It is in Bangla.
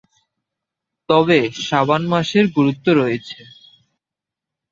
তবে শাবান মাসের গুরুত্ব রয়েছে।